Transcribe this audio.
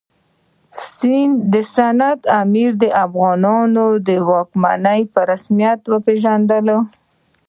سند امیر د افغانانو واکمني په رسمیت پېژندل.